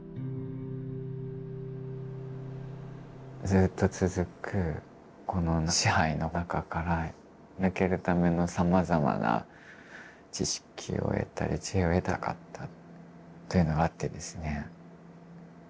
ずっと続くこの支配の中から抜けるためのさまざまな知識を得たり知恵を得たかったというのがあってですね。